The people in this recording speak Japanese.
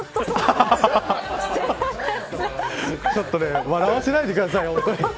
ちょっと笑わせないでください。